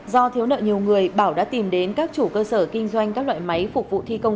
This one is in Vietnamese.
do thiếu nợ nhiều người bảo đã tìm đến các chủ cơ sở kinh doanh các loại máy phục vụ thi công